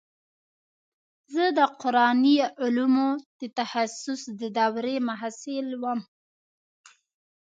زه د قراني علومو د تخصص د دورې محصل وم.